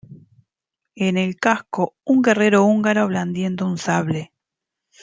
En el casco un guerrero húngaro blandiendo un sable.